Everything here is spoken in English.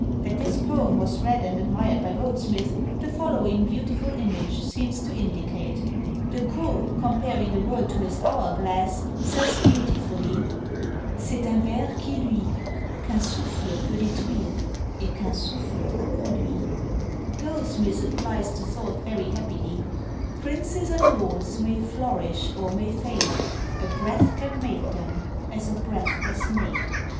That this poem was read and admired by Goldsmith, the following beautiful image seems to indicate. De Caux, comparing the world to his hour glass, says beautifully, C'est un verre qui luit, Qu'un souffle peut détruire, et qu'un souffle a produit. Goldsmith applies the thought very happily Princes and lords may flourish or may fade; _A breath can make them, as a breath has made.